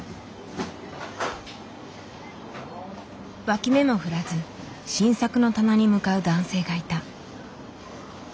脇目も振らず新作の棚に向かう男性がいた。